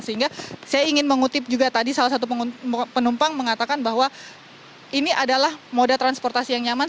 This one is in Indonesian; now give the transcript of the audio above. sehingga saya ingin mengutip juga tadi salah satu penumpang mengatakan bahwa ini adalah moda transportasi yang nyaman